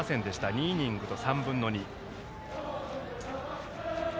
２イニングと３分の２。